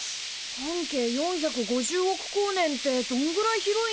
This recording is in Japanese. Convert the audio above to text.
半径４５０億光年ってどんぐらい広いんだろ？